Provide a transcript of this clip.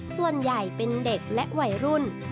ส่วนใหญ่เป็นเด็กและวัยรุ่น